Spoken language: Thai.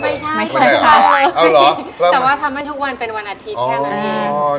แต่ว่าทำให้ทุกวันเป็นวันอาทิตย์แค่นี้